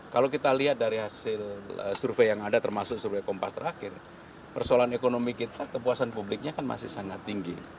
kalau kita lihat dari hasil survei yang ada termasuk survei kompas terakhir persoalan ekonomi kita kepuasan publiknya kan masih sangat tinggi